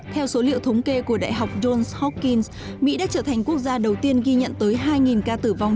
theo số liệu thống kê của đại học johns hocklins mỹ đã trở thành quốc gia đầu tiên ghi nhận tới hai ca tử vong